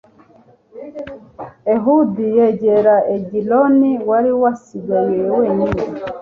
ehudi yegera egiloni, wari wasigaye wenyine